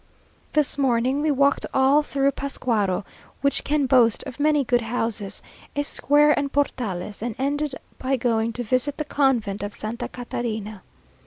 This morning we walked all through Pascuaro, which can boast of many good houses, a square and portales, and ended by going to visit the convent of Santa Catarina.